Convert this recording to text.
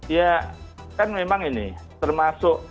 ya kan memang ini termasuk